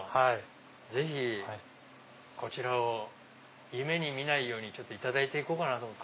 ぜひこちらを夢に見ないようにいただいて行こうかなと思って。